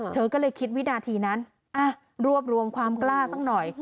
เธอก็เลยคิดวินาทีนั้นรวบรวมความกล้าสักหน่อย